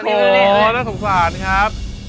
โอ้โหน่าสงสารครับ